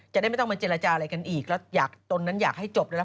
จะได้ไม่ต้องมาเจรจาอะไรกันอีกแล้วอยากตนนั้นอยากให้จบแล้ว